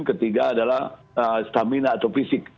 ketiga adalah stamina atau fisik